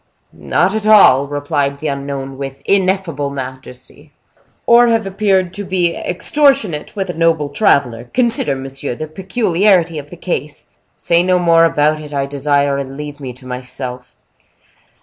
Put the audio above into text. "Not at all!" replied the unknown, with ineffable majesty. "Or have appeared to be extortionate with a noble traveler. Consider, monsieur, the peculiarity of the case." "Say no more about it, I desire; and leave me to myself."